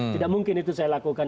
tidak mungkin itu saya lakukan